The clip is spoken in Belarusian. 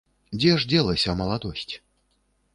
Дзе ж дзелася маладосць?